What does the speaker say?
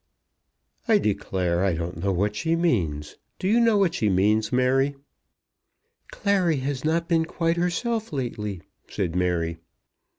"I declare I don't know what she means. Do you know what she means, Mary?" "Clary has not been quite herself lately," said Mary.